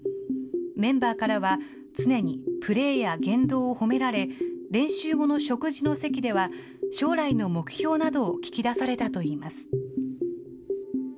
メンバーからは、常にプレーや言動を褒められ、練習後の食事の席では、将来の目標などを聞き出されたといいます。